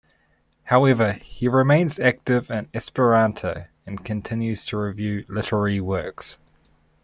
However, he remains active in Esperanto and continues to review literary works.